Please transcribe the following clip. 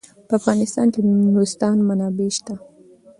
په افغانستان کې د نورستان منابع شته.